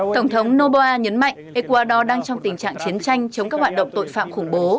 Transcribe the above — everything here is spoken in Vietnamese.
tổng thống noboa nhấn mạnh ecuador đang trong tình trạng chiến tranh chống các hoạt động tội phạm khủng bố